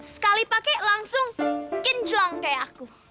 sekali pakai langsung injelang kayak aku